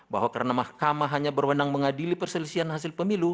bahwa karena mahkamah hanya berwenang mengadili perselisihan hasil pemilu